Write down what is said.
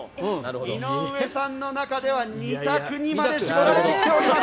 井上さんの中では２択にまで絞られてきております。